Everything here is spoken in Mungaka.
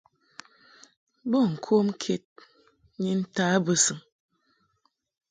Bo ŋkom ked ni ntaʼ bɨsɨŋ.